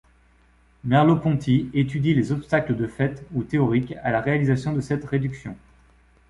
Merleau-Ponty étudie les obstacles de fait ou théoriques à la réalisation de cette réduction.